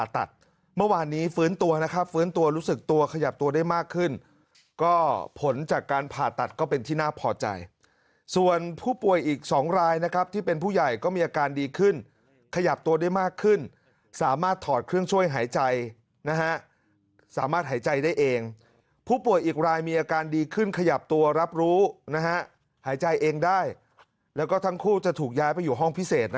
ผลจากการผ่าตัดก็เป็นที่น่าพอใจส่วนผู้ป่วยอีก๒รายนะครับที่เป็นผู้ใหญ่ก็มีอาการดีขึ้นขยับตัวได้มากขึ้นสามารถถอดเครื่องช่วยหายใจนะฮะสามารถหายใจได้เองผู้ป่วยอีกรายมีอาการดีขึ้นขยับตัวรับรู้หายใจเองได้แล้วก็ทั้งคู่จะถูกย้ายไปอยู่ห้องพิเศษ